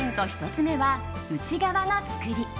１つ目は内側の作り。